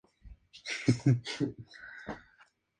Se diplomó en Trabajo social por la Universidad del País Vasco.